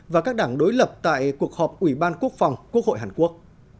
và các đảng đối lập tại cuộc họp ủy ban quốc phòng quốc hội hàn quốc